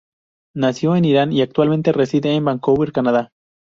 Nació en Irán y actualmente reside en Vancouver, Canadá.